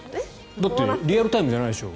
だってリアルタイムじゃないでしょ？